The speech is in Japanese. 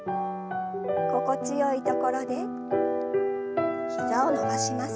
心地よいところで膝を伸ばします。